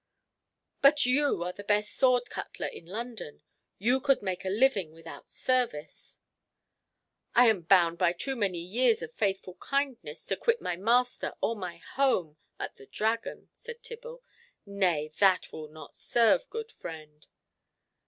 "But you are the best sword cutler in London. You could make a living without service." "I am bound by too many years of faithful kindness to quit my master or my home at the Dragon," said Tibble. "Nay, that will not serve, good friend."